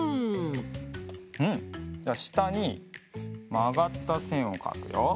うんじゃあしたにまがったせんをかくよ。